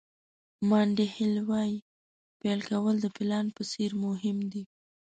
مانډي هیل وایي پیل کول د پلان په څېر مهم دي.